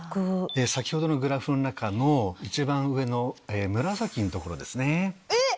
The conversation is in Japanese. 先ほどのグラフの中の一番上の紫の所ですね。